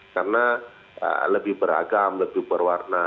karena lebih beragam lebih berwarna